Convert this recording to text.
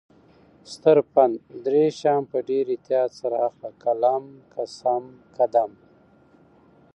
ستر پند: دری شیان په ډیر احتیاط سره اخله: قلم ، قسم، قدم